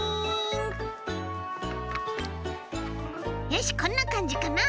よしこんなかんじかな！